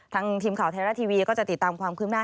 ทีมข่าวไทยรัฐทีวีก็จะติดตามความคืบหน้า